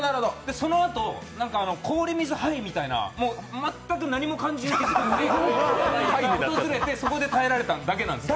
そのあと、氷水ハイみたいな、全く何も感じなくなってそこで耐えられただけなんですよ。